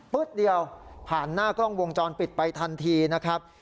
เดียวผ่านหน้ากล้องวงจรปิดไปทันทีนะครับ